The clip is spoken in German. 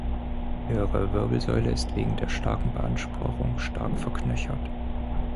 Ihre Wirbelsäule ist wegen der starken Beanspruchung stark verknöchert.